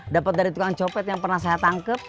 dapat dari tukang copet yang pernah saya tangkep